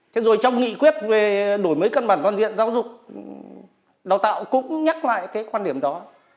thế rồi trong nghị quyết về đổi mới cân bản quan diện giáo dục đào tạo cũng nhắc lại cái quan điểm đó